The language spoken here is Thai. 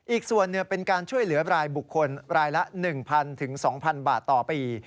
อีกส่วนเป็นการช่วยเหลือรายบุคคลรายละ๑๐๐๒๐๐บาทต่อปี